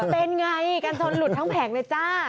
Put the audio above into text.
เป็นไงกันชนหลุดทั้งแผงเลยจ้า